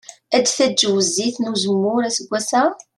Ad d-taǧwew zzit n uzemmur aseggas-a?